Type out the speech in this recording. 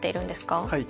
はい。